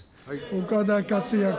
岡田克也君。